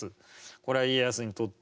これは家康にとって。